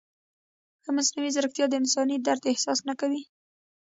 ایا مصنوعي ځیرکتیا د انساني درد احساس نه کوي؟